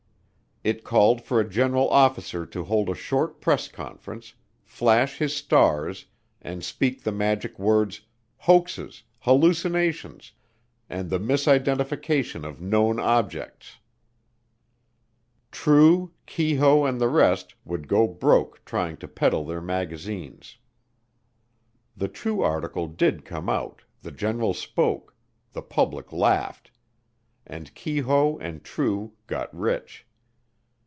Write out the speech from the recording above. It called for a general officer to hold a short press conference, flash his stars, and speak the magic words "hoaxes, hallucinations, and the misidentification of known objects," True, Keyhoe and the rest would go broke trying to peddle their magazines. The True article did come out, the general spoke, the public laughed, and Keyhoe and True got rich.